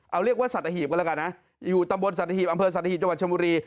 เอาเรียกว่าสัตหีบกันแล้วกันนะอยู่ตำบลสัตหีบอำเภอสัตหีบจังหวัดชมบุรี